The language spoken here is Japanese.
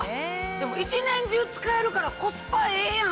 じゃあ１年中使えるからコスパええやん！